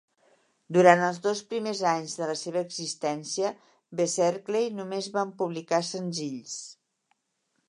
Durant els dos primers anys de la seva existència, Beserkley només van publicar senzills.